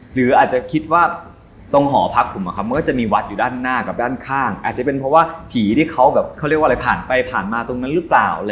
หรืออาจจะคิดว่าตรงหอพักผมมันก็จะมีวัดอยู่ด้านหน้ากับด้านข้างอาจจะเป็นเพราะว่าผีที่เขาแบบเขาเรียกว่าอะไรผ่านไปผ่านมาตรงนั้นหรือเปล่า